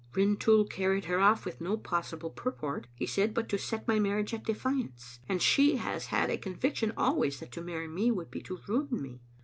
" Rintoul carried her oflE with no possible purport," he said, " but to set my marriage at defiance, and she has had a conviction always that to marry me would be to ruin me.